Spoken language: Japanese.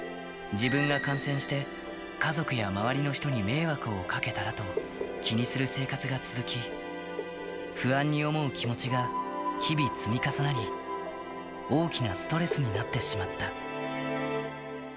自分が感染して、家族や周りの人に迷惑をかけたらと気にする生活が続き、不安に思う気持ちが日々積み重なり、大きなストレスになってしまった。